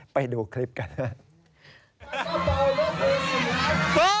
ไปดูคลิปกันนะ